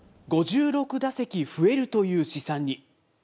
５６打席増えるという試算に。